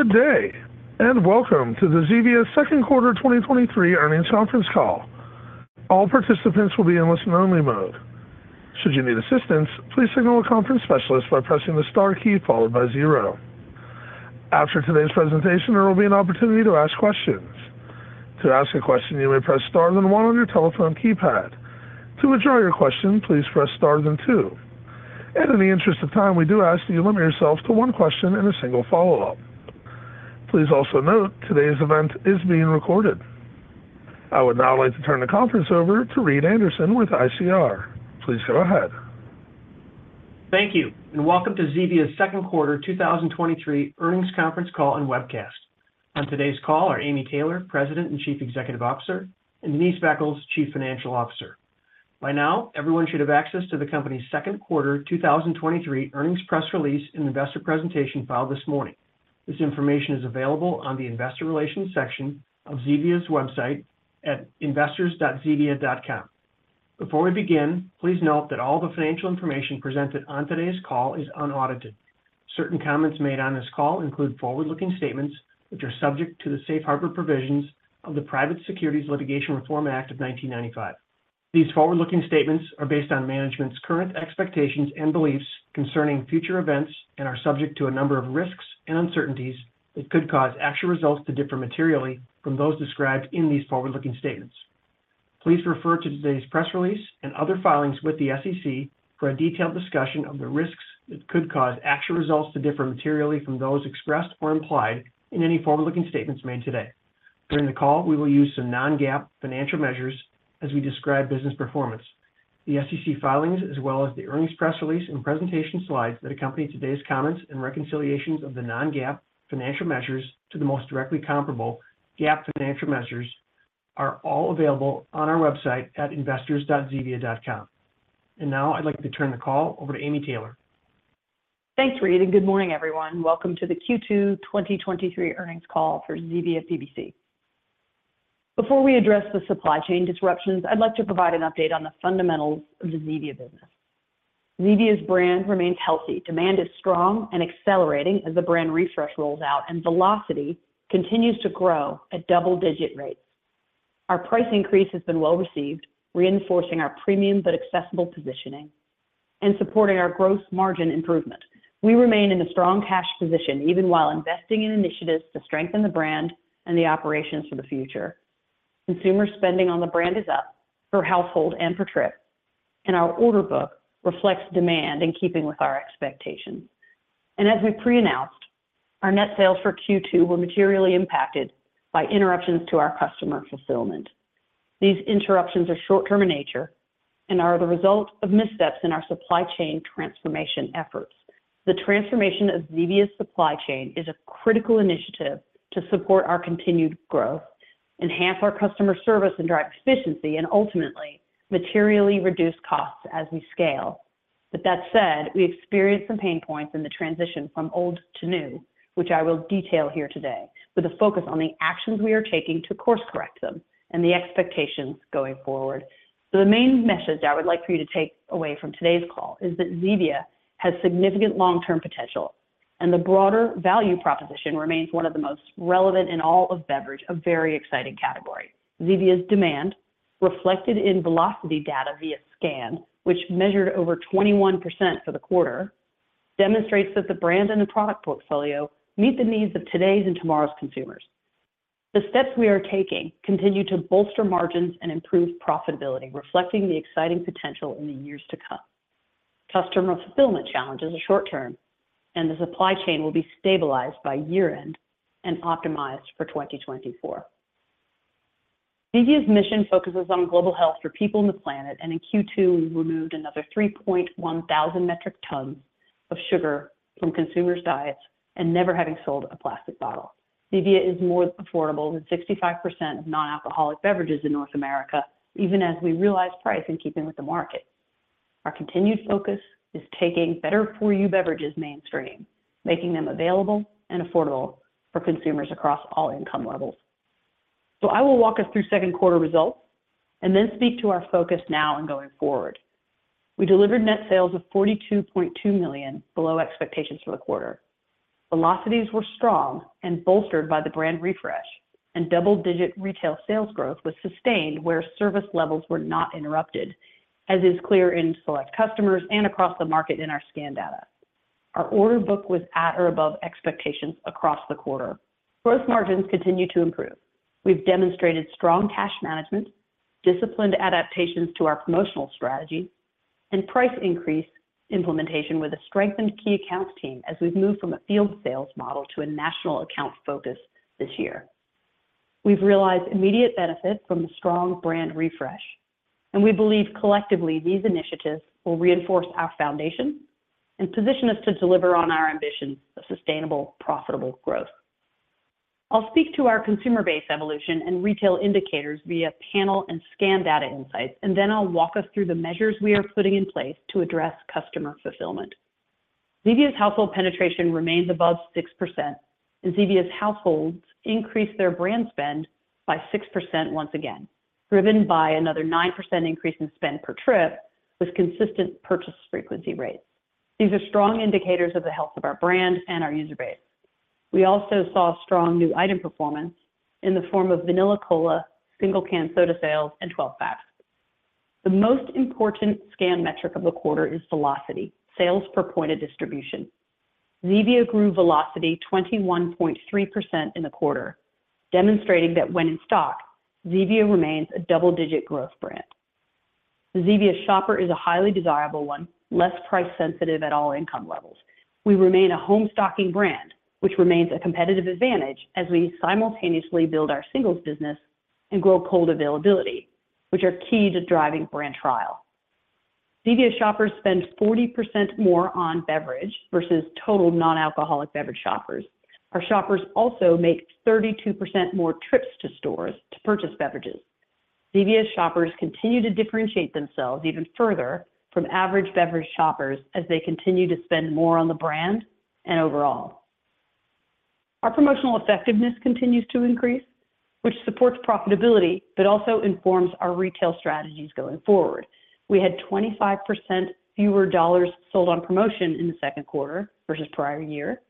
Good day, welcome to the Zevia's second quarter 2023 earnings conference call. All participants will be in listen-only mode. Should you need assistance, please signal a conference specialist by pressing the star key followed by zero. After today's presentation, there will be an opportunity to ask questions. To ask a question, you may press star then one on your telephone keypad. To withdraw your question, please press star then two. In the interest of time, we do ask that you limit yourselves to one question and a single follow-up. Please also note today's event is being recorded. I would now like to turn the conference over to Reed Anderson with ICR. Please go ahead. Thank you. Welcome to Zevia's second quarter 2023 earnings conference call and webcast. On today's call are Amy Taylor, President and Chief Executive Officer, and Denise Beckles, Chief Financial Officer. By now, everyone should have access to the company's second quarter 2023 earnings press release and investor presentation filed this morning. This information is available on the Investor Relations section of Zevia's website at investors.zevia.com. Before we begin, please note that all the financial information presented on today's call is unaudited. Certain comments made on this call include forward-looking statements, which are subject to the Safe Harbor Provisions of the Private Securities Litigation Reform Act of 1995. These forward-looking statements are based on management's current expectations and beliefs concerning future events, and are subject to a number of risks and uncertainties that could cause actual results to differ materially from those described in these forward-looking statements. Please refer to today's press release and other filings with the SEC for a detailed discussion of the risks that could cause actual results to differ materially from those expressed or implied in any forward-looking statements made today. During the call, we will use some non-GAAP financial measures as we describe business performance. The SEC filings, as well as the earnings press release and presentation slides that accompany today's comments in reconciliations of the non-GAAP financial measures to the most directly comparable GAAP financial measures, are all available on our website at investors.zevia.com. Now I'd like to turn the call over to Amy Taylor. Thanks, Reed, good morning, everyone. Welcome to the Q2 2023 earnings call for Zevia PBC. Before we address the supply chain disruptions, I'd like to provide an update on the fundamentals of the Zevia business. Zevia's brand remains healthy. Demand is strong and accelerating as the brand refresh rolls out, and velocity continues to grow at double-digit rates. Our price increase has been well-received, reinforcing our premium but accessible positioning and supporting our gross margin improvement. We remain in a strong cash position, even while investing in initiatives to strengthen the brand and the operations for the future. Consumer spending on the brand is up for household and for trip, and our order book reflects demand in keeping with our expectations. As we pre-announced, our net sales for Q2 were materially impacted by interruptions to our customer fulfillment. These interruptions are short-term in nature and are the result of missteps in our supply chain transformation efforts. The transformation of Zevia's supply chain is a critical initiative to support our continued growth, enhance our customer service and drive efficiency, and ultimately, materially reduce costs as we scale. That said, we experienced some pain points in the transition from old to new, which I will detail here today, with a focus on the actions we are taking to course-correct them and the expectations going forward. The main message I would like for you to take away from today's call is that Zevia has significant long-term potential, and the broader value proposition remains one of the most relevant in all of beverage, a very exciting category. Zevia's demand, reflected in velocity data via scan, which measured over 21% for the quarter, demonstrates that the brand and the product portfolio meet the needs of today's and tomorrow's consumers. The steps we are taking continue to bolster margins and improve profitability, reflecting the exciting potential in the years to come. Customer fulfillment challenge is a short term, and the supply chain will be stabilized by year-end and optimized for 2024. Zevia's mission focuses on global health for people on the planet, and in Q2, we removed another 3,100 metric tons of sugar from consumers' diets and never having sold a plastic bottle. Zevia is more affordable than 65% of non-alcoholic beverages in North America, even as we realize price in keeping with the market. Our continued focus is taking better for you beverages mainstream, making them available and affordable for consumers across all income levels. I will walk us through second quarter results and then speak to our focus now and going forward. We delivered net sales of $42.2 million below expectations for the quarter. Velocities were strong and bolstered by the brand refresh, and double-digit retail sales growth was sustained where service levels were not interrupted, as is clear in select customers and across the market in our scan data. Our order book was at or above expectations across the quarter. Gross margins continue to improve. We've demonstrated strong cash management, disciplined adaptations to our promotional strategy, and price increase implementation with a strengthened key accounts team as we've moved from a field sales model to a national account focus this year. We've realized immediate benefits from the strong brand refresh, and we believe collectively, these initiatives will reinforce our foundation and position us to deliver on our ambition of sustainable, profitable growth. I'll speak to our consumer base evolution and retail indicators via panel and scan data insights, and then I'll walk us through the measures we are putting in place to address customer fulfillment. Zevia's household penetration remains above 6%, and Zevia's households increased their brand spend by 6% once again, driven by another 9% increase in spend per trip, with consistent purchase frequency rates. These are strong indicators of the health of our brand and our user base. We also saw strong new item performance in the form of Vanilla Cola, single can soda sales, and 12 packs. The most important scan metric of the quarter is velocity, sales per point of distribution. Zevia grew velocity 21.3% in the quarter, demonstrating that when in stock, Zevia remains a double-digit growth brand. The Zevia shopper is a highly desirable one, less price sensitive at all income levels. We remain a home stocking brand, which remains a competitive advantage as we simultaneously build our singles business and grow cold availability, which are key to driving brand trial. Zevia shoppers spend 40% more on beverage versus total non-alcoholic beverage shoppers. Our shoppers also make 32% more trips to stores to purchase beverages. Zevia shoppers continue to differentiate themselves even further from average beverage shoppers as they continue to spend more on the brand and overall. Our promotional effectiveness continues to increase, which supports profitability, also informs our retail strategies going forward. We had 25% fewer dollars sold on promotion in the second quarter versus prior year,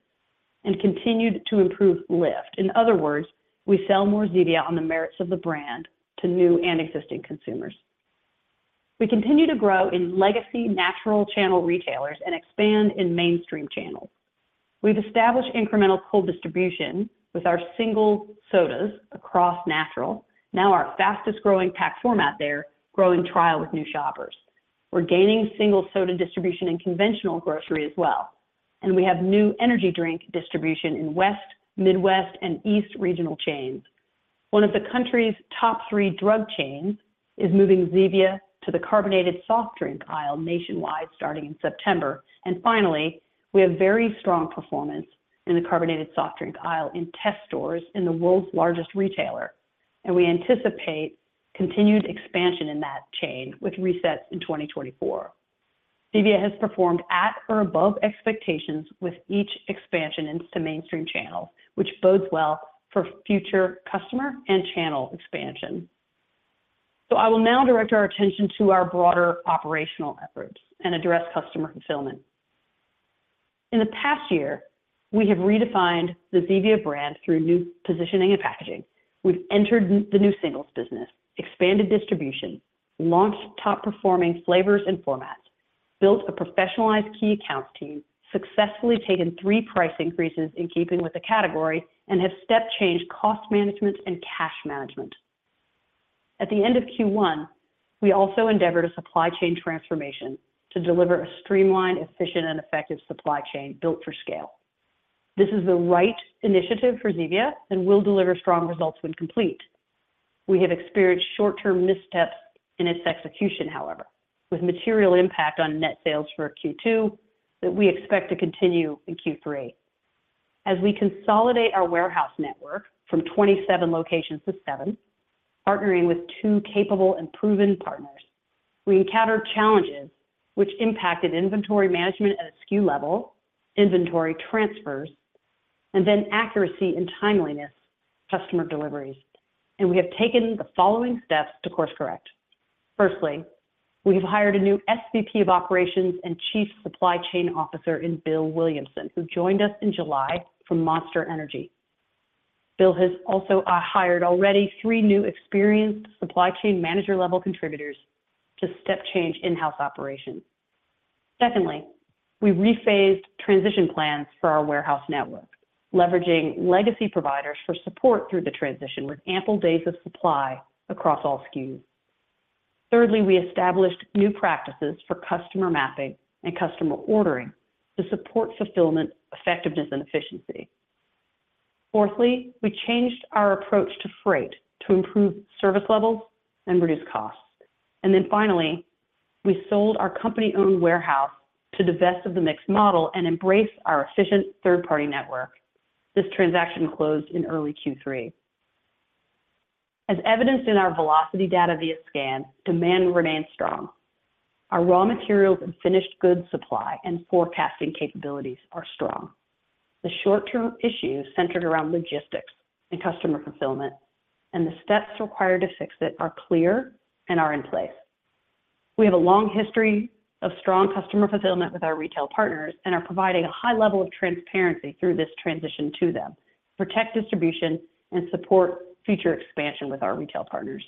and continued to improve lift. In other words, we sell more Zevia on the merits of the brand to new and existing consumers. We continue to grow in legacy natural channel retailers and expand in mainstream channels. We've established incremental cold distribution with our single sodas across natural, now our fastest-growing pack format there, growing trial with new shoppers. We're gaining single soda distribution in conventional grocery as well, and we have new energy drink distribution in West, Midwest, and East regional chains. One of the country's top three drug chains is moving Zevia to the carbonated soft drink aisle nationwide, starting in September. Finally, we have very strong performance in the carbonated soft drink aisle in test stores in the world's largest retailer, and we anticipate continued expansion in that chain with resets in 2024. Zevia has performed at or above expectations with each expansion into mainstream channels, which bodes well for future customer and channel expansion. I will now direct our attention to our broader operational efforts and address customer fulfillment. In the past year, we have redefined the Zevia brand through new positioning and packaging. We've entered the new singles business, expanded distribution, launched top-performing flavors and formats, built a professionalized key accounts team, successfully taken three price increases in keeping with the category, and have step changed cost management and cash management. At the end of Q1, we also endeavored a supply chain transformation to deliver a streamlined, efficient, and effective supply chain built for scale. This is the right initiative for Zevia and will deliver strong results when complete. We have experienced short-term missteps in its execution, however, with material impact on net sales for Q2, that we expect to continue in Q3. As we consolidate our warehouse network from 27 locations to seven, partnering with two capable and proven partners, we encountered challenges which impacted inventory management at a SKU level, inventory transfers, and then accuracy and timeliness of customer deliveries. We have taken the following steps to course correct. Firstly, we have hired a new SVP of Operations and Chief Supply Chain Officer in Bill Williamson, who joined us in July from Monster Energy. Bill has also hired already three new experienced supply chain manager-level contributors to step change in-house operations. Secondly, we rephased transition plans for our warehouse network, leveraging legacy providers for support through the transition, with ample days of supply across all SKUs. Thirdly, we established new practices for customer mapping and customer ordering to support fulfillment, effectiveness, and efficiency. Fourthly, we changed our approach to freight to improve service levels and reduce costs. Finally, we sold our company-owned warehouse to the best of the mixed model and embraced our efficient third-party network. This transaction closed in early Q3. As evidenced in our velocity data via scan, demand remains strong. Our raw materials and finished goods supply and forecasting capabilities are strong. The short-term issue is centered around logistics and customer fulfillment, and the steps required to fix it are clear and are in place. We have a long history of strong customer fulfillment with our retail partners and are providing a high level of transparency through this transition to them, protect distribution, and support future expansion with our retail partners.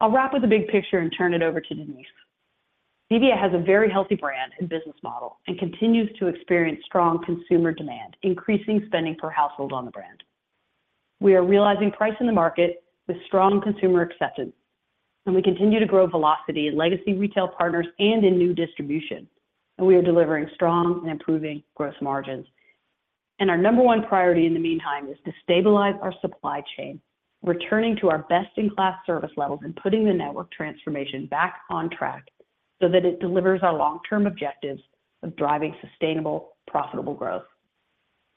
I'll wrap with the big picture and turn it over to Denise. Zevia has a very healthy brand and business model and continues to experience strong consumer demand, increasing spending per household on the brand. We are realizing price in the market with strong consumer acceptance, and we continue to grow velocity in legacy retail partners and in new distribution, and we are delivering strong and improving gross margins. Our number one priority in the meantime is to stabilize our supply chain, returning to our best-in-class service levels and putting the network transformation back on track so that it delivers our long-term objectives of driving sustainable, profitable growth.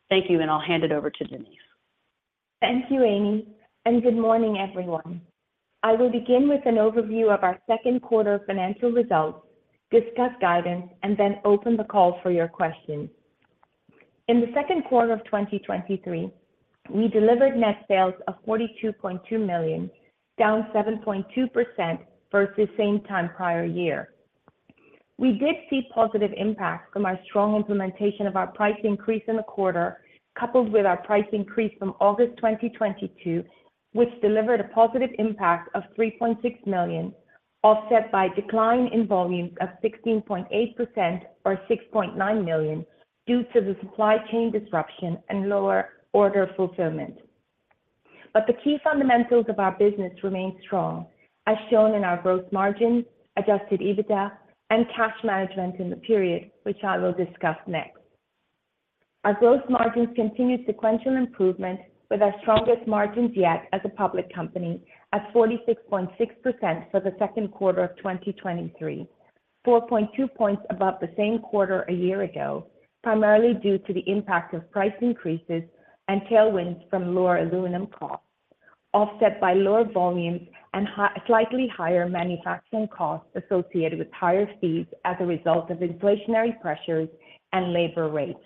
Thank you, and I'll hand it over to Denise. Thank you, Amy. Good morning, everyone. I will begin with an overview of our second quarter financial results, discuss guidance, then open the call for your questions. In the second quarter of 2023, we delivered net sales of $42.2 million, down 7.2% versus same time prior year. We did see positive impacts from our strong implementation of our price increase in the quarter, coupled with our price increase from August 2022, which delivered a positive impact of $3.6 million, offset by decline in volumes of 16.8% or $6.9 million, due to the supply chain disruption and lower order fulfillment. The key fundamentals of our business remain strong, as shown in our gross margin, adjusted EBITDA, and cash management in the period, which I will discuss next. Our gross margins continued sequential improvement with our strongest margins yet as a public company at 46.6% for the second quarter of 2023, 4.2 points above the same quarter a year ago, primarily due to the impact of price increases and tailwinds from lower aluminum costs, offset by lower volumes and slightly higher manufacturing costs associated with higher fees as a result of inflationary pressures and labor rates.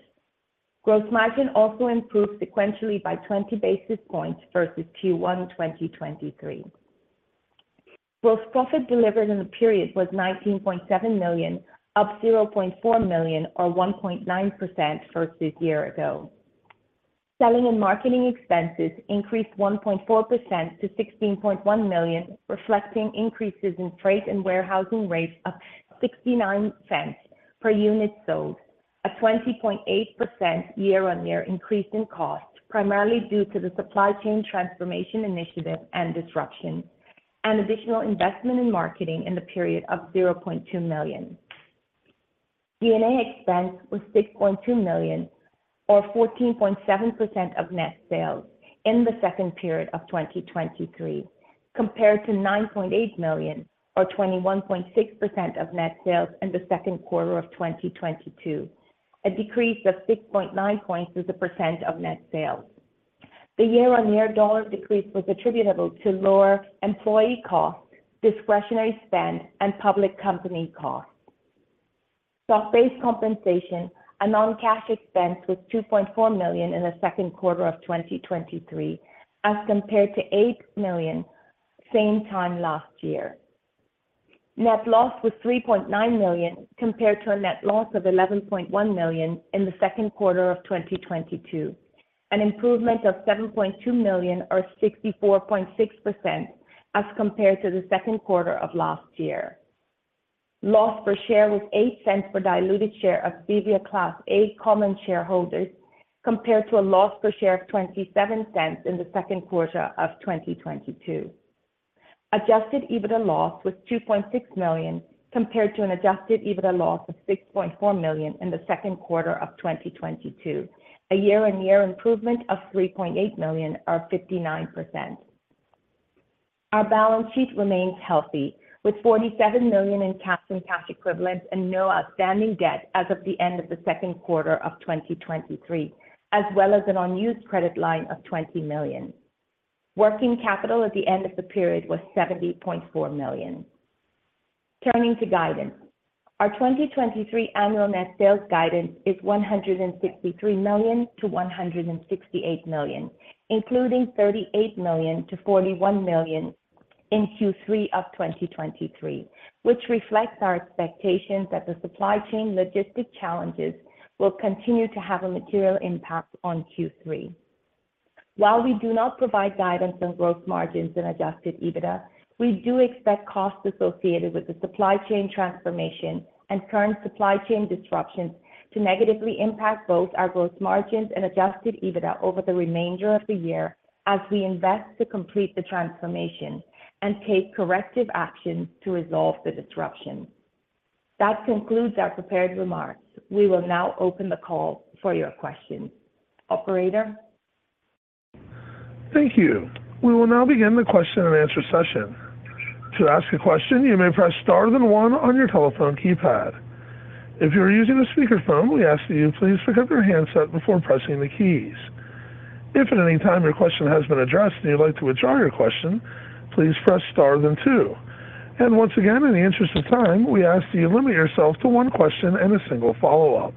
Gross margin also improved sequentially by 20 basis points versus Q1 2023. Gross profit delivered in the period was $19.7 million, up $0.4 million or 1.9% versus year ago. Selling and marketing expenses increased 1.4% to $16.1 million, reflecting increases in freight and warehousing rates of $0.69 per unit sold, a 20.8% year-on-year increase in cost, primarily due to the supply chain transformation initiative and disruption, and additional investment in marketing in the period of $0.2 million. G&A expense was $6.2 million or 14.7% of net sales in the second period of 2023, compared to $9.8 million or 21.6% of net sales in the second quarter of 2022, a decrease of 6.9 points as a percent of net sales. The year-on-year dollar decrease was attributable to lower employee costs, discretionary spend, and public company costs. Stock-based compensation and non-cash expense was $2.4 million in the second quarter of 2023, as compared to $8 million same time last year. Net loss was $3.9 million, compared to a net loss of $11.1 million in the second quarter of 2022, an improvement of $7.2 million or 64.6% as compared to the second quarter of last year. Loss per share was $0.08 per diluted share of Zevia Class A common shareholders, compared to a loss per share of $0.27 in the second quarter of 2022. Adjusted EBITDA loss was $2.6 million, compared to an adjusted EBITDA loss of $6.4 million in the second quarter of 2022, a year-on-year improvement of $3.8 million or 59%. Our balance sheet remains healthy, with $47 million in cash and cash equivalents and no outstanding debt as of the end of the second quarter of 2023, as well as an unused credit line of $20 million. Working capital at the end of the period was $70.4 million. Turning to guidance, our 2023 annual net sales guidance is $163 million-$168 million, including $38 million-$41 million in Q3 of 2023, which reflects our expectations that the supply chain logistic challenges will continue to have a material impact on Q3. While we do not provide guidance on gross margins and adjusted EBITDA, we do expect costs associated with the supply chain transformation and current supply chain disruptions to negatively impact both our gross margins and adjusted EBITDA over the remainder of the year as we invest to complete the transformation and take corrective actions to resolve the disruption. That concludes our prepared remarks. We will now open the call for your questions. Operator? Thank you. We will now begin the question and answer session. To ask a question, you may press star then one on your telephone keypad. If you are using a speakerphone, we ask that you please pick up your handset before pressing the keys. If at any time your question has been addressed and you'd like to withdraw your question, please press star then two. And once again, in the interest of time, we ask that you limit yourself to one question and a single follow-up.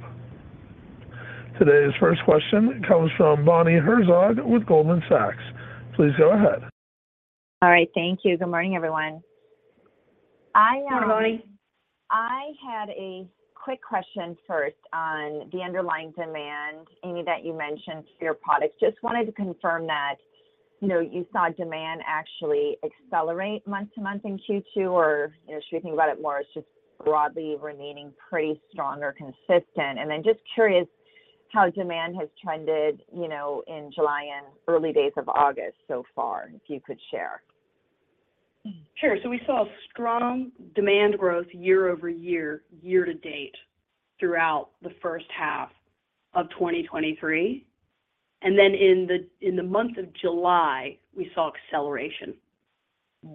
Today's first question comes from Bonnie Herzog with Goldman Sachs. Please go ahead. All right, thank you. Good morning, everyone. I. Good morning. I had a quick question first on the underlying demand, Amy, that you mentioned for your products. Just wanted to confirm that, you know, you saw demand actually accelerate month-to-month in Q2, or, you know, should we think about it more as just broadly remaining pretty strong or consistent? Then just curious how demand has trended, you know, in July and early days of August so far, if you could share? Sure. We saw a strong demand growth year-over-year, year-to-date throughout the first half of 2023. Then in the, in the month of July, we saw acceleration.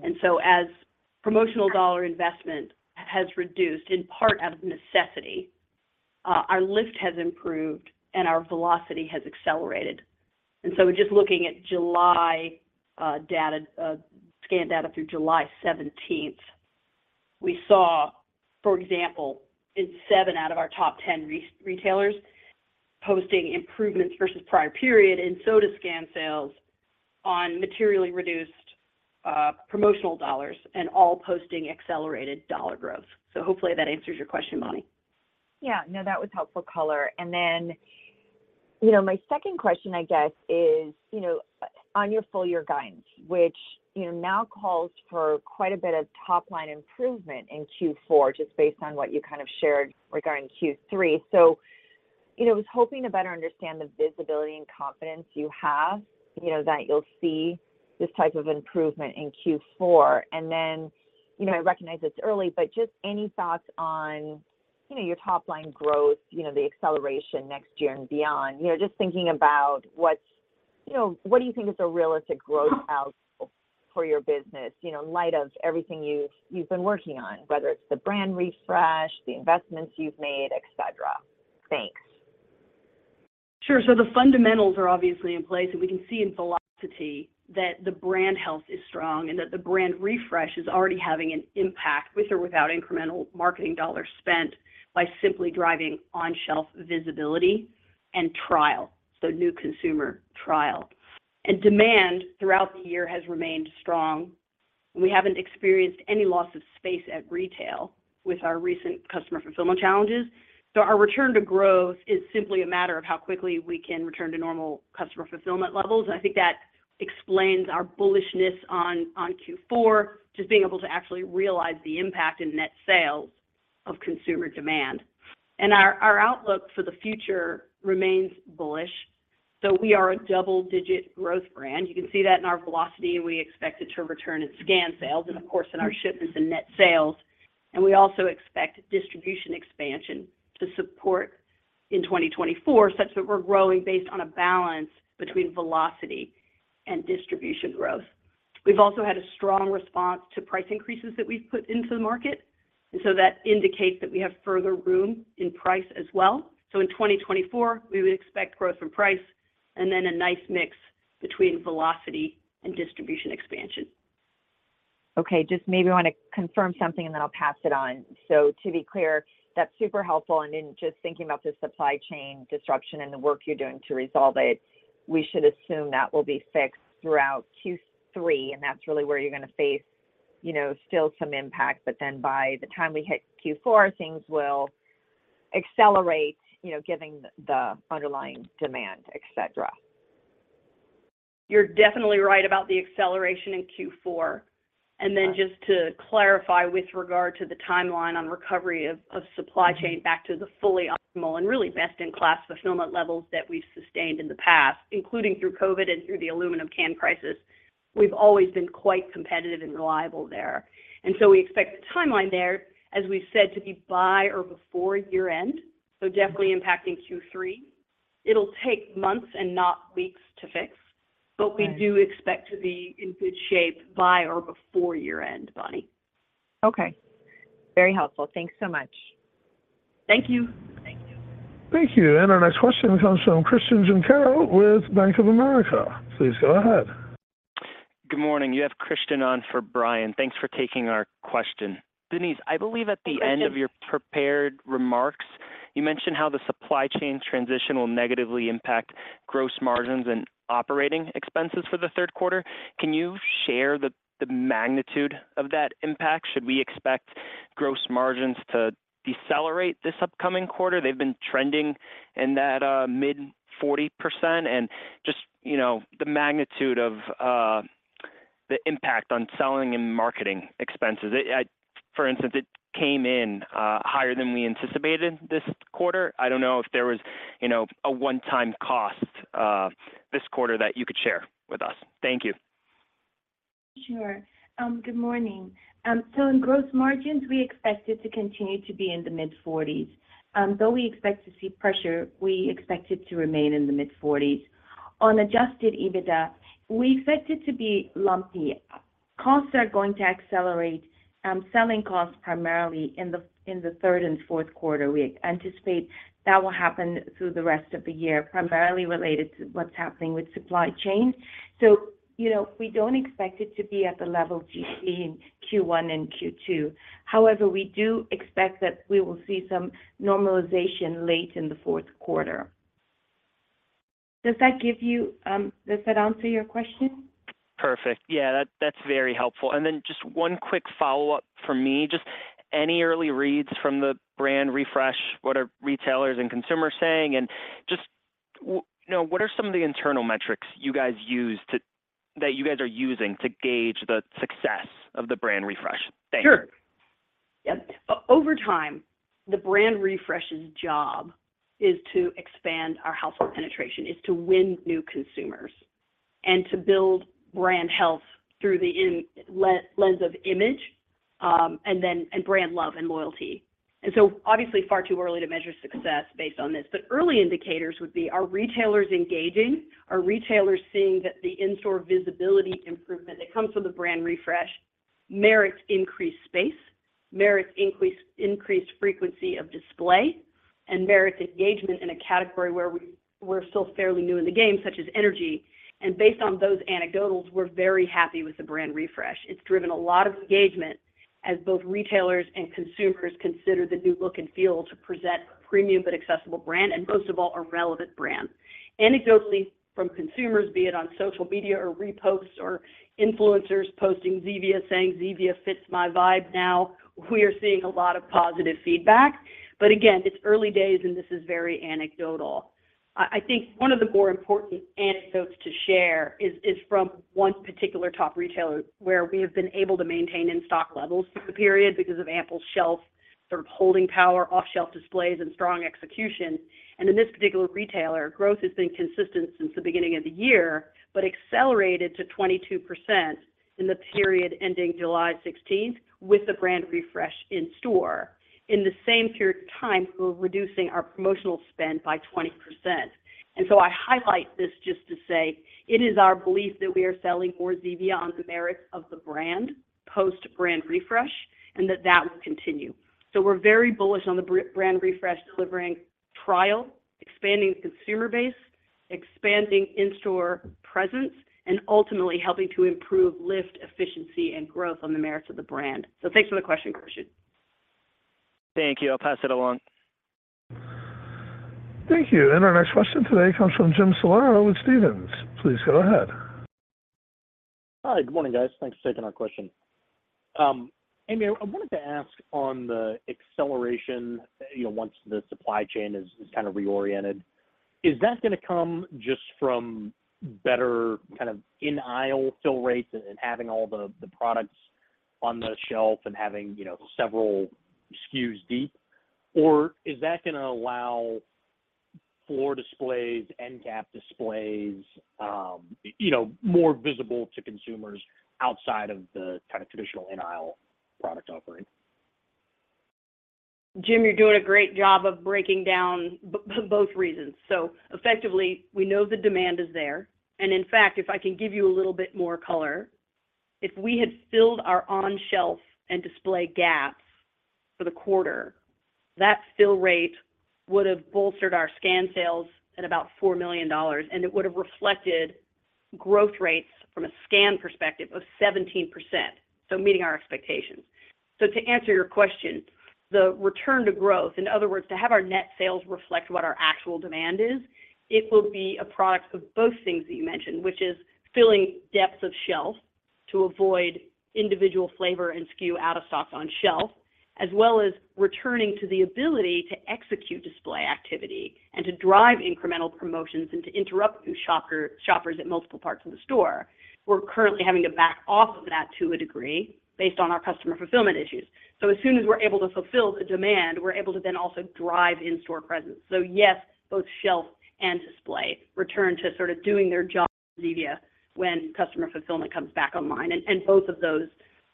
As promotional dollar investment has reduced in part out of necessity, our lift has improved and our velocity has accelerated. Just looking at July data, scanned data through July 17th, we saw, for example, in seven out of our top 10 retailers posting improvements versus prior period in soda scan sales on materially reduced promotional dollars, and all posting accelerated dollar growth. Hopefully that answers your question, Bonnie. Yeah. No, that was helpful color. Then, you know, my second question, I guess, is, you know, on your full year guidance, which, you know, now calls for quite a bit of top line improvement in Q4, just based on what you kind of shared regarding Q3. You know, I was hoping to better understand the visibility and confidence you have, you know, that you'll see this type of improvement in Q4. Then, you know, I recognize it's early, but just any thoughts on, you know, your top line growth, you know, the acceleration next year and beyond? You know, just thinking about what's, you know, what do you think is a realistic growth outlook for your business, you know, in light of everything you've, you've been working on, whether it's the brand refresh, the investments you've made, et cetera. Thanks. Sure. The fundamentals are obviously in place, and we can see in velocity that the brand health is strong and that the brand refresh is already having an impact, with or without incremental marketing dollars spent, by simply driving on-shelf visibility and trial, so new consumer trial. Demand throughout the year has remained strong, and we haven't experienced any loss of space at retail with our recent customer fulfillment challenges. Our return to growth is simply a matter of how quickly we can return to normal customer fulfillment levels. I think that explains our bullishness on, on Q4, just being able to actually realize the impact in net sales of consumer demand. Our, our outlook for the future remains bullish, so we are a double-digit growth brand. You can see that in our velocity. We expect it to return in scan sales and, of course, in our shipments and net sales. We also expect distribution expansion to support in 2024, such that we're growing based on a balance between velocity and distribution growth. We've also had a strong response to price increases that we've put into the market, and so that indicates that we have further room in price as well. In 2024, we would expect growth from price and then a nice mix between velocity and distribution expansion. Okay, just maybe wanna confirm something, and then I'll pass it on. To be clear, that's super helpful, and then just thinking about the supply chain disruption and the work you're doing to resolve it, we should assume that will be fixed throughout Q3, and that's really where you're gonna face, you know, still some impact. Then by the time we hit Q4, things will accelerate, you know, given the, the underlying demand, et cetera. You're definitely right about the acceleration in Q4. Just to clarify, with regard to the timeline on recovery of supply chain back to the fully optimal and really best-in-class fulfillment levels that we've sustained in the past, including through COVID and through the aluminum can crisis, we've always been quite competitive and reliable there. We expect the timeline there, as we've said, to be by or before year-end, so definitely impacting Q3. It'll take months and not weeks to fix. Right. We do expect to be in good shape by or before year-end, Bonnie. Okay. Very helpful. Thanks so much. Thank you. Thank you. Thank you, our next question comes from Christian Junquera with Bank of America. Please go ahead. Good morning. You have Christian on for Brian. Thanks for taking our question. Denise, I believe at the end- Hi, Christian. of your prepared remarks, you mentioned how the supply chain transition will negatively impact gross margins and operating expenses for the third quarter. Can you share the magnitude of that impact? Should we expect gross margins to decelerate this upcoming quarter? They've been trending in that, mid 40%. Just, you know, the magnitude of the impact on selling and marketing expenses. For instance, it came in higher than we anticipated this quarter. I don't know if there was, you know, a one-time cost this quarter that you could share with us. Thank you. Sure. Good morning. In gross margins, we expect it to continue to be in the mid-forties. Though we expect to see pressure, we expect it to remain in the mid-forties. On adjusted EBITDA, we expect it to be lumpy. Costs are going to accelerate, selling costs primarily in the third and fourth quarter. We anticipate that will happen through the rest of the year, primarily related to what's happening with supply chain. You know, we don't expect it to be at the level you see in Q1 and Q2. However, we do expect that we will see some normalization late in the fourth quarter. Does that give you, Does that answer your question? Perfect. Yeah, that, that's very helpful. Then just one quick follow-up from me. Just any early reads from the brand refresh, what are retailers and consumers saying? Just know, what are some of the internal metrics you guys use that you guys are using to gauge the success of the brand refresh? Thanks. Sure. Yep. Over time, the brand refresh's job is to expand our household penetration, is to win new consumers, and to build brand health through the lens of image, and then, and brand love and loyalty. So obviously, far too early to measure success based on this, but early indicators would be, are retailers engaging? Are retailers seeing that the in-store visibility improvement that comes from the brand refresh merits increased space, merits increased frequency of display, and merits engagement in a category where we, we're still fairly new in the game, such as energy. Based on those anecdotals, we're very happy with the brand refresh. It's driven a lot of engagement as both retailers and consumers consider the new look and feel to present a premium but accessible brand, and most of all, a relevant brand. Anecdotally, from consumers, be it on social media, or reposts, or influencers posting Zevia saying, "Zevia fits my vibe now," we are seeing a lot of positive feedback. Again, it's early days, and this is very anecdotal. I think one of the more important anecdotes to share is from one particular top retailer, where we have been able to maintain in-stock levels through the period because of ample shelf, sort of holding power, off-shelf displays, and strong execution. In this particular retailer, growth has been consistent since the beginning of the year, but accelerated to 22% in the period ending July 16th, with the brand refresh in store. In the same period of time, we're reducing our promotional spend by 20%. I highlight this just to say, it is our belief that we are selling more Zevia on the merits of the brand, post-brand refresh, and that, that will continue. We're very bullish on the brand refresh, delivering trial, expanding consumer base, expanding in-store presence, and ultimately helping to improve lift efficiency and growth on the merits of the very brand. Thanks for the question, Christian. Thank you. I'll pass it along. Thank you. Our next question today comes from Jim Salera with Stephens. Please go ahead. Hi, good morning, guys. Thanks for taking our question. Amy, I wanted to ask on the acceleration, you know, once the supply chain is, is kind of reoriented, is that gonna come just from better kind of in-aisle fill rates and having all the products on the shelf and having, you know, several SKUs deep? Or is that gonna allow floor displays, end cap displays, you know, more visible to consumers outside of the kind of traditional in-aisle product offering? Jim, you're doing a great job of breaking down both reasons. Effectively, we know the demand is there. In fact, if I can give you a little bit more color, if we had filled our on-shelf and display gaps for the quarter, that fill rate would have bolstered our scan sales at about $4 million, it would have reflected growth rates from a scan perspective of 17%, so meeting our expectations. To answer your question, the return to growth, in other words, to have our net sales reflect what our actual demand is, it will be a product of both things that you mentioned, which is filling depths of shelf to avoid individual flavor and SKU out-of-stocks on shelf, as well as returning to the ability to execute display activity and to drive incremental promotions and to interrupt new shoppers at multiple parts of the store. We're currently having to back off of that to a degree, based on our customer fulfillment issues. As soon as we're able to fulfill the demand, we're able to then also drive in-store presence. Yes, both shelf and display return to sort of doing their job at Zevia when customer fulfillment comes back online. Both of those,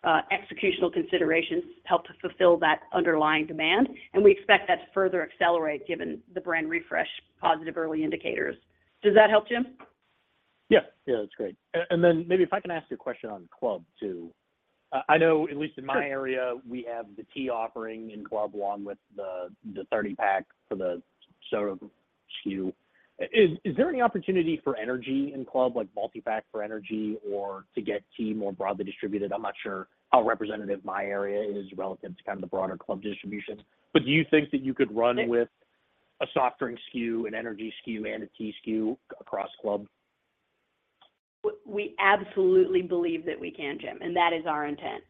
executional considerations help to fulfill that underlying demand, and we expect that to further accelerate, given the brand refresh, positive early indicators. Does that help, Jim? Yeah. Yeah, that's great. And then maybe if I can ask you a question on club, too. I know at least in my area. Sure We have the tea offering in club, along with the, the 30-pack for the soda SKU. Is, is there any opportunity for energy in club, like multi-pack for energy, or to get tea more broadly distributed? I'm not sure how representative my area is relevant to kind of the broader club distribution, but do you think that you could run with a soft drink SKU, an energy SKU, and a tea SKU across club? We absolutely believe that we can, Jim, and that is our intent.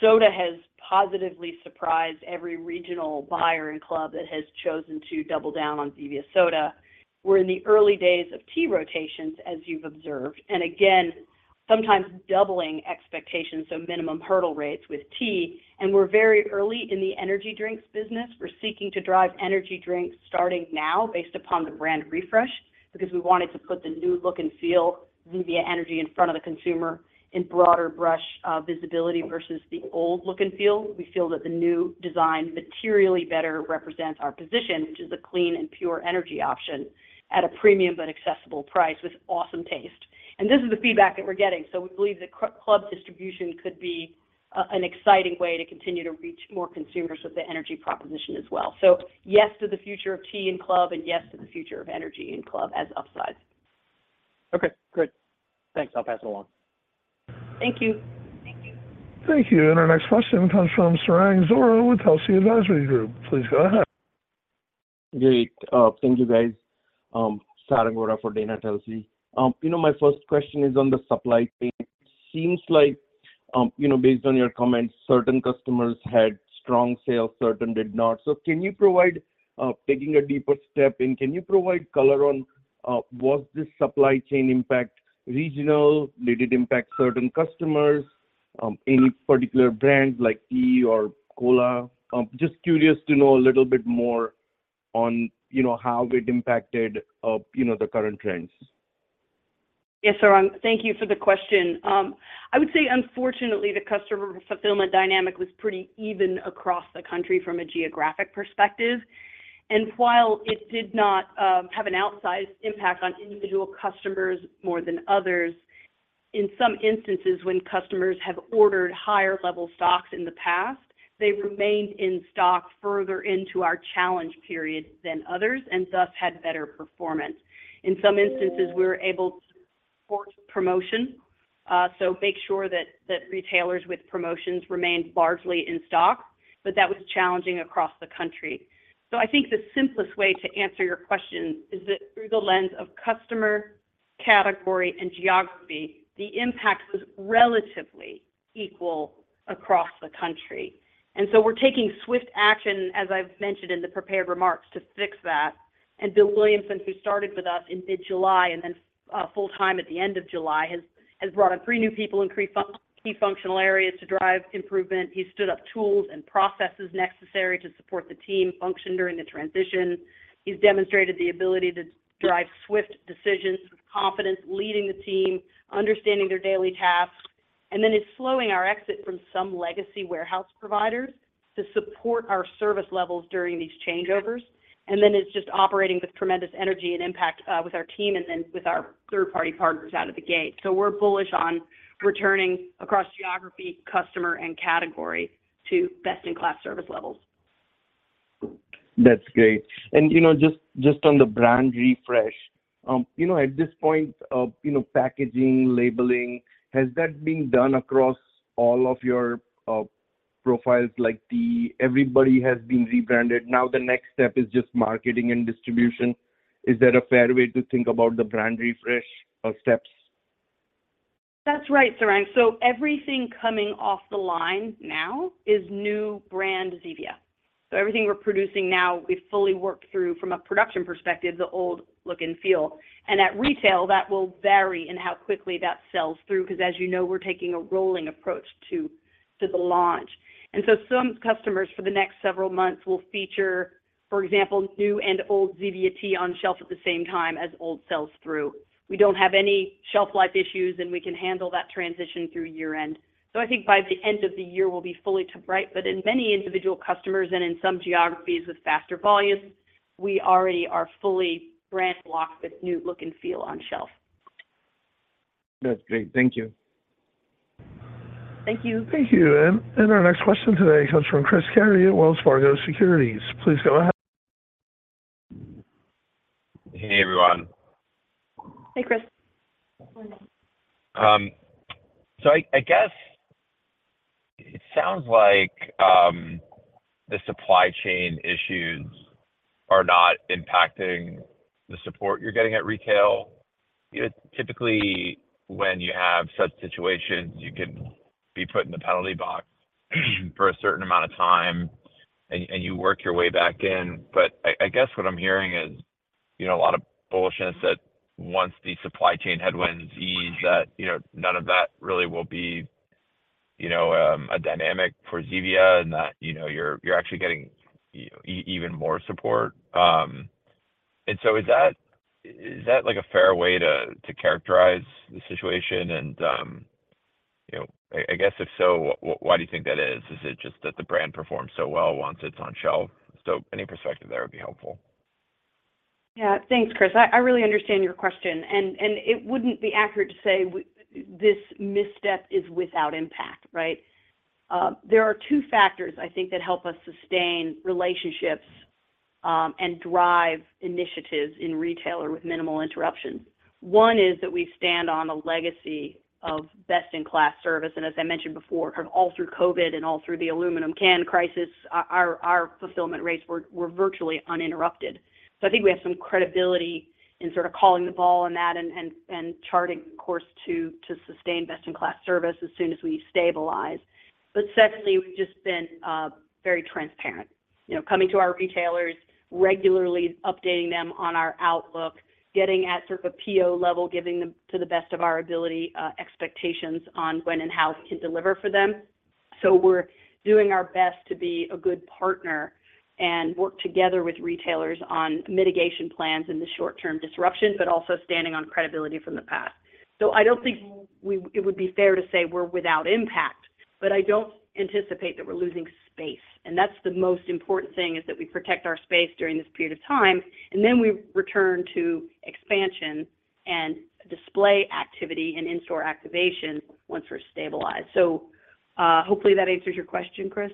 Soda has positively surprised every regional buyer in club that has chosen to double down on Zevia Soda. We're in the early days of Tea rotations, as you've observed, and again, sometimes doubling expectations, so minimum hurdle rates with Tea. We're very early in the energy drinks business. We're seeking to drive energy drinks starting now, based upon the brand refresh, because we wanted to put the new look and feel Zevia Energy in front of the consumer in broader brush visibility versus the old look and feel. We feel that the new design materially better represents our position, which is a clean and pure energy option at a premium, but accessible price, with awesome taste. This is the feedback that we're getting, so we believe that club distribution could be an exciting way to continue to reach more consumers with the energy proposition as well. Yes, to the future of tea in club, and yes, to the future of energy in club as upsides. Okay, great. Thanks. I'll pass it along. Thank you. Thank you. Our next question comes from Sarang Vora with Telsey Advisory Group. Please go ahead. Great. Thank you, guys. Sarang Vora for Dana Telsey. You know, my first question is on the supply chain. Seems like, you know, based on your comments, certain customers had strong sales, certain did not. Can you provide, taking a deeper step in, can you provide color on, was this supply chain impact regional? Did it impact certain customers, any particular brands like tea or cola? Just curious to know a little bit more on, you know, how it impacted, you know, the current trends. Yes, Sarang, thank you for the question. I would say unfortunately, the customer fulfillment dynamic was pretty even across the country from a geographic perspective. While it did not have an outsized impact on individual customers more than others, in some instances, when customers have ordered higher level stocks in the past, they've remained in stock further into our challenge period than others, and thus had better performance. In some instances, we're able to force promotion, so make sure that, that retailers with promotions remained largely in stock, but that was challenging across the country. I think the simplest way to answer your question is that through the lens of customer, category, and geography, the impact was relatively equal across the country. So we're taking swift action, as I've mentioned in the prepared remarks, to fix that. Bill Williamson, who started with us in mid-July and then, full-time at the end of July, has brought on three new people in key functional areas to drive improvement. He stood up tools and processes necessary to support the team function during the transition. He's demonstrated the ability to drive swift decisions with confidence, leading the team, understanding their daily tasks, and then is slowing our exit from some legacy warehouse providers to support our service levels during these changeovers. Then, is just operating with tremendous energy and impact, with our team, and then with our third-party partners out of the gate. We're bullish on returning across geography, customer, and category to best-in-class service levels. That's great. you know, just, just on the brand refresh, you know, at this point of, you know, packaging, labeling, has that been done across all of your profiles? Like the everybody has been rebranded, now the next step is just marketing and distribution. Is that a fair way to think about the brand refresh, steps? That's right, Sarang. Everything coming off the line now is new brand Zevia. Everything we're producing now, we've fully worked through, from a production perspective, the old look and feel. At retail, that will vary in how quickly that sells through, 'cause as you know, we're taking a rolling approach to, to the launch. Some customers for the next several months will feature, for example, new and old Zevia Tea on shelf at the same time as old sells through. We don't have any shelf life issues, and we can handle that transition through year-end. I think by the end of the year, we'll be fully to right. In many individual customers and in some geographies with faster volumes, we already are fully brand blocked with new look and feel on shelf. That's great. Thank you. Thank you. Thank you. Our next question today comes from Chris Carey at Wells Fargo Securities. Please go ahead. Hey, everyone. Hey, Chris. Morning. I, I guess it sounds like the supply chain issues are not impacting the support you're getting at retail. You know, typically, when you have such situations, you can be put in the penalty box for a certain amount of time, and, and you work your way back in. I, I guess what I'm hearing is, you know, a lot of bullishness that once the supply chain headwinds ease, that, you know, none of that really will be, you know, a dynamic for Zevia and that, you know, you're, you're actually getting even more support. Is that, like, a fair way to characterize the situation? You know, I, I guess, if so, why do you think that is? Is it just that the brand performs so well once it's on shelf? Any perspective there would be helpful. Yeah. Thanks, Chris. I really understand your question, and it wouldn't be accurate to say this misstep is without impact, right? There are two factors I think that help us sustain relationships, and drive initiatives in retailer with minimal interruptions. One is that we stand on a legacy of best-in-class service, and as I mentioned before, kind of all through COVID and all through the aluminum can crisis, our, our fulfillment rates were, were virtually uninterrupted. I think we have some credibility in sort of calling the ball on that and, and charting a course to sustain best-in-class service as soon as we stabilize. Secondly, we've just been very transparent. You know, coming to our retailers, regularly updating them on our outlook, getting at sort of a PO level, giving them, to the best of our ability, expectations on when and how we can deliver for them. We're doing our best to be a good partner and work together with retailers on mitigation plans in the short-term disruption, but also standing on credibility from the past. I don't think it would be fair to say we're without impact, but I don't anticipate that we're losing space, and that's the most important thing, is that we protect our space during this period of time, and then we return to expansion and display activity and in-store activation once we're stabilized. Hopefully that answers your question, Chris.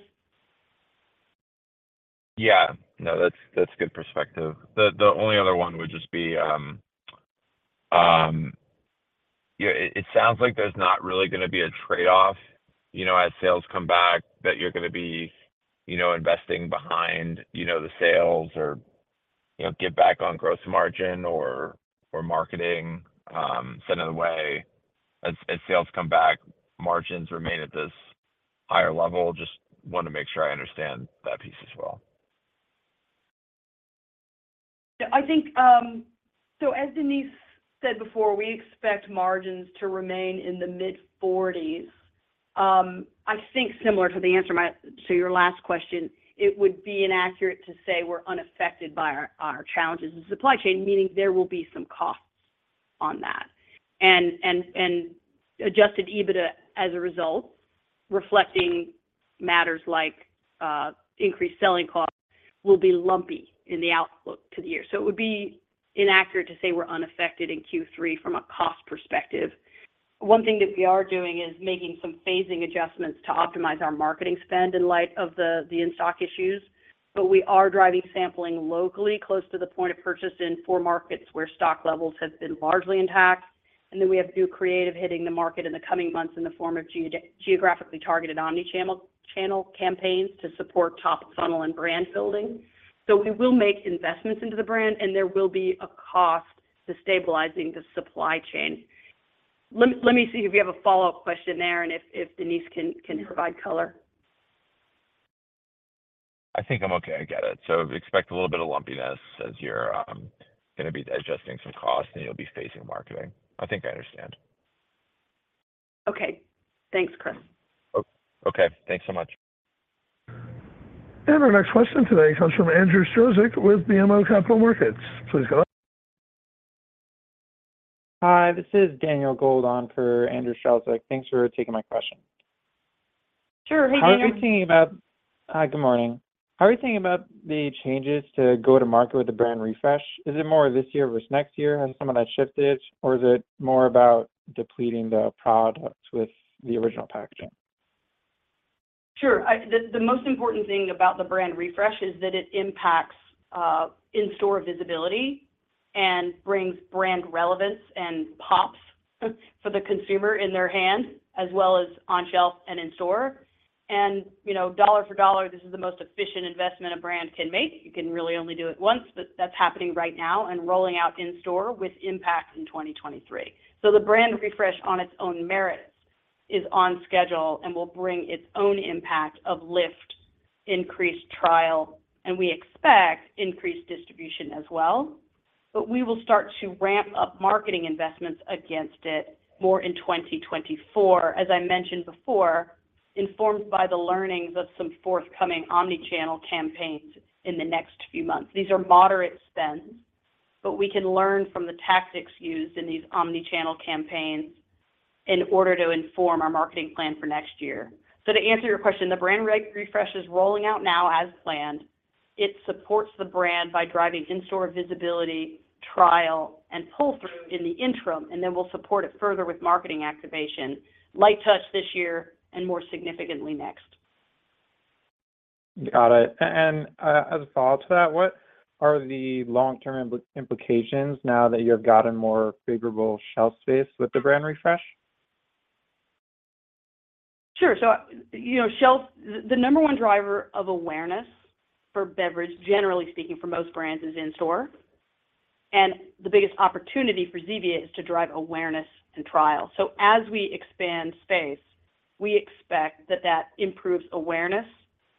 Yeah. No, that's, that's good perspective. The, the only other one would just be, Yeah, it, it sounds like there's not really gonna be a trade-off, you know, as sales come back, that you're gonna be, you know, investing behind, you know, the sales or, you know, get back on gross margin or, or marketing. Sending the way as, as sales come back, margins remain at this higher level. Just want to make sure I understand that piece as well. I think, so as Denise said before, we expect margins to remain in the mid-40s. I think similar to the answer to your last question, it would be inaccurate to say we're unaffected by our, our challenges in the supply chain, meaning there will be some costs on that and adjusted EBITDA as a result, reflecting matters like increased selling costs, will be lumpy in the outlook to the year. It would be inaccurate to say we're unaffected in Q3 from a cost perspective. One thing that we are doing is making some phasing adjustments to optimize our marketing spend in light of the in-stock issues, but we are driving sampling locally close to the point of purchase in four markets where stock levels have been largely intact. Then we have new creative hitting the market in the coming months in the form of geographically targeted omnichannel, channel campaigns to support top of funnel and brand building. We will make investments into the brand, and there will be a cost to stabilizing the supply chain. Let me see if you have a follow-up question there, and if Denise can provide color. I think I'm okay. I get it. Expect a little bit of lumpiness as you're gonna be adjusting some costs and you'll be facing marketing. I think I understand. Okay. Thanks, Chris. Okay. Thanks so much. Our next question today comes from Andrew Strelzik with BMO Capital Markets. Please go ahead. Hi, this is Daniel Gold on for Andrew Strelzik. Thanks for taking my question. Sure. Hey, Daniel. Hi, good morning. How are you thinking about the changes to go-to-market with the brand refresh? Is it more this year versus next year, has some of that shifted? Or is it more about depleting the products with the original packaging? Sure. I, the most important thing about the brand refresh is that it impacts, in-store visibility and brings brand relevance and pops for the consumer in their hand, as well as on shelf and in store. You know, dollar for dollar, this is the most efficient investment a brand can make. You can really only do it once, but that's happening right now and rolling out in store with impact in 2023. The brand refresh on its own merits is on schedule and will bring its own impact of lift, increased trial, and we expect increased distribution as well. We will start to ramp up marketing investments against it more in 2024, as I mentioned before, informed by the learnings of some forthcoming omnichannel campaigns in the next few months. These are moderate spends, but we can learn from the tactics used in these omnichannel campaigns in order to inform our marketing plan for next year. To answer your question, the brand re- refresh is rolling out now as planned. It supports the brand by driving in-store visibility, trial, and pull-through in the interim, and then we'll support it further with marketing activation. Light touch this year and more significantly next. Got it. As a follow-up to that, what are the long-term implications now that you've gotten more favorable shelf space with the brand refresh? Sure. You know, the number one driver of awareness for beverage, generally speaking, for most brands, is in-store. The biggest opportunity for Zevia is to drive awareness and trial. As we expand space, we expect that that improves awareness,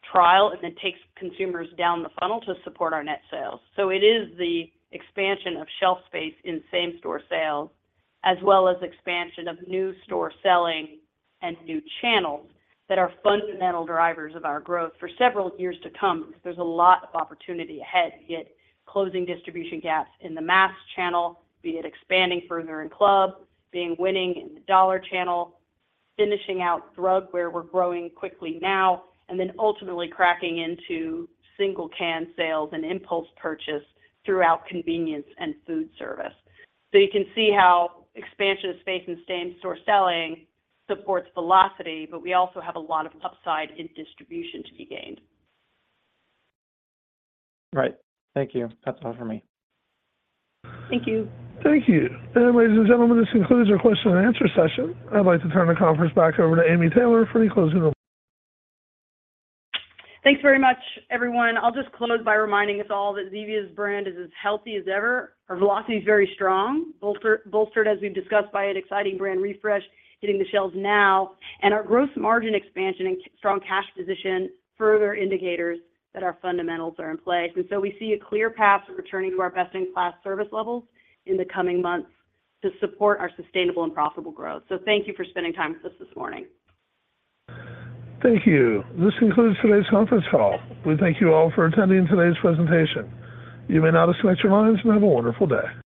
trial, and then takes consumers down the funnel to support our net sales. It is the expansion of shelf space in same-store sales, as well as expansion of new store selling and new channels, that are fundamental drivers of our growth for several years to come. There's a lot of opportunity ahead to get closing distribution gaps in the mass channel, be it expanding further in club, being winning in the dollar channel, finishing out drug where we're growing quickly now, and then ultimately cracking into single can sales and impulse purchase throughout convenience and food service. you can see how expansion of space and same-store selling supports velocity, but we also have a lot of upside in distribution to be gained. Right. Thank you. That's all for me. Thank you. Thank you. Ladies and gentlemen, this concludes our question and answer session. I'd like to turn the conference back over to Amy Taylor for any closing remarks. Thanks very much, everyone. I'll just close by reminding us all that Zevia's brand is as healthy as ever. Our velocity is very strong, bolstered, as we've discussed, by an exciting brand refresh hitting the shelves now, and our gross margin expansion and strong cash position, further indicators that our fundamentals are in place. We see a clear path to returning to our best-in-class service levels in the coming months to support our sustainable and profitable growth. Thank you for spending time with us this morning. Thank you. This concludes today's conference call. We thank you all for attending today's presentation. You may now disconnect your lines and have a wonderful day.